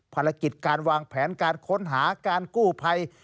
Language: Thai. ภารกิจการวางแผนการค้นหาการกู้ภัย